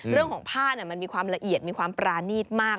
เรื่องของผ้ามันมีความละเอียดมีความปรานีตมาก